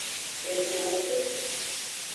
Ehundoxu.